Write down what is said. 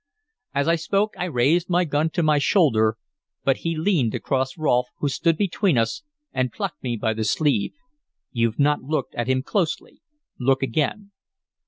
As I spoke I raised my gun to my shoulder; but he leaned across Rolfe, who stood between us, and plucked me by the sleeve. "You've not looked at him closely. Look again."